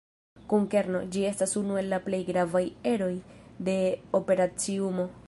Kun kerno, ĝi estas unu el la plej gravaj eroj de operaciumo.